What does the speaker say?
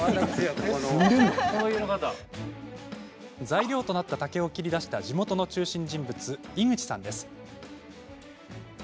材料となった竹を切り出した地元の中心人物、井口さんです。